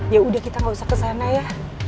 ya udah kita gak usah ke sana ya